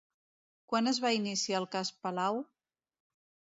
Quan es va iniciar el cas Palau?